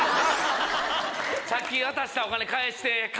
さっき渡したお金返して。